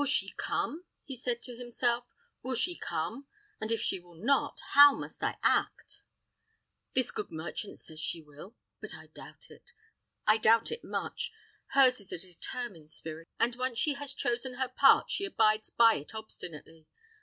"Will she come?" he said to himself; "will she come? And if she will not, how must I act? This good merchant says she will? but I doubt it I doubt it much. Hers is a determined spirit; and once she has chosen her part, she abides by it obstinately.